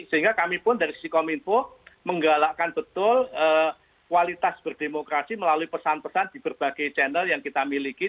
sehingga kami pun dari sisi kominfo menggalakkan betul kualitas berdemokrasi melalui pesan pesan di berbagai channel yang kita miliki